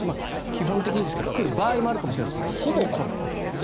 基本的にですから来る場合もあるかもしれませんがほぼ来ない。